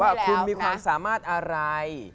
ว่าคุณมีความสามารถอะไร